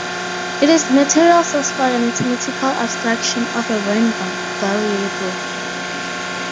It is the material source for the mathematical abstraction of a "random variable".